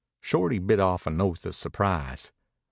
Shorty bit off an oath of surprise.